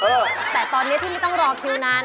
แต่ตอนนี้ที่ไม่ต้องรอคิวนาน